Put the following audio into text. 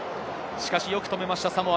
しかしよく止めました、サモア。